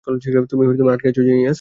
তুমিও আটকে আছো, জিনিয়াস।